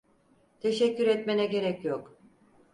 Teşekkür etmene gerek yok.